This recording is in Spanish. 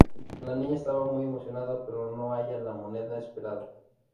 La niña estaba muy emocionada pero no halla la moneda esperada.